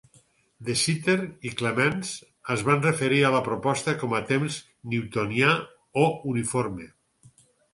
De Sitter i Clemence es van referir a la proposta com temps "newtonià" o "uniforme".